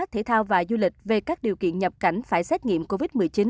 thể thao và du lịch về các điều kiện nhập cảnh phải xét nghiệm covid một mươi chín